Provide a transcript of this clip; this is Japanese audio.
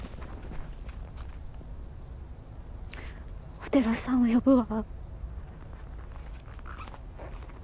お寺さんを呼ぶわ。